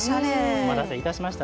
お待たせいたしました。